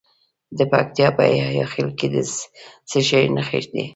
د پکتیکا په یحیی خیل کې د څه شي نښې دي؟